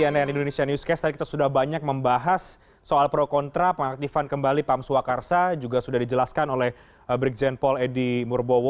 ada kembali di cnn indonesia newscast kita sudah banyak membahas soal pro contra pengaktifan kembali pams uwakar sayang ini juga sudah dijelaskan oleh brigjen paul eddy murbowo